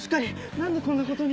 何でこんなことに。